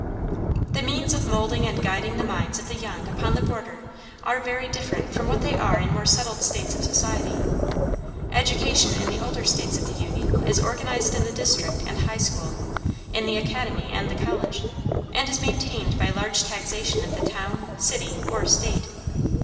The means of moulding and guiding the minds of the young upon the border are very different from what they are in more settled states of society. Education in the older states of the Union is organized in the district and high school, in the academy and the college, and is maintained by large taxation of the town, city, or state.